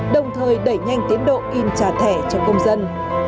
đồng thời đẩy nhanh tiến độ in trả thẻ cho công dân